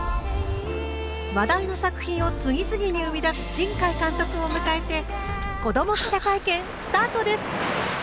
話題の作品を次々に生み出す新海監督を迎えて子ども記者会見スタートです！